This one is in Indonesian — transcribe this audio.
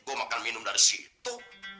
gue makan minum dari situ